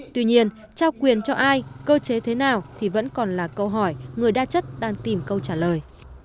tuy nhiên trao quyền cho ai cơ chế thế nào thì vẫn còn là câu hỏi người đa chất đang tìm câu trả lời